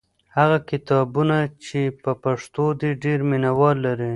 هغه کتابونه چې په پښتو دي ډېر مینه وال لري.